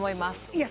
いや